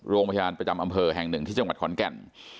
โรงพยาบาลประจำอำเภอแห่งหนึ่งที่จังหวัดขอนแก่น